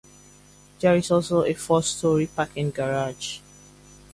There is also a four-story parking garage.